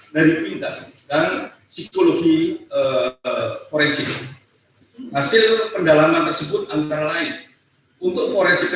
dari pindad dan psikologi forensik hasil pendalaman tersebut antara lain untuk forensik